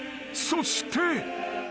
［そして］